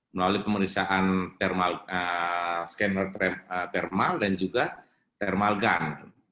melalui pemeriksaan scanner thermal dan juga thermal gun